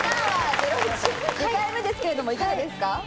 『ゼロイチ』２回目ですけれども、いかがですか？